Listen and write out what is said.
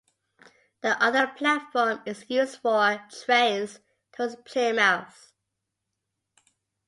The other platform is used for trains towards Plymouth.